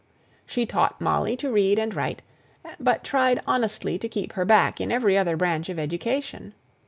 She taught Molly to read and write, but tried honestly to keep her back in every other branch of education.